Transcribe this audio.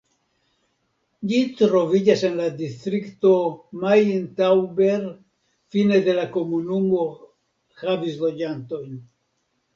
Ĝi troviĝas en la distrikto Main-Tauber Fine de la komunumo havis loĝantojn.